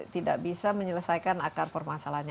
tidak bisa menyelesaikan akar permasalahannya